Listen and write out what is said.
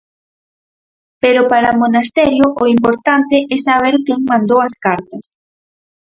Pero para Monasterio o importante é saber quen mandou as cartas.